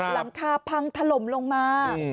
หลังคาพังถล่มลงมา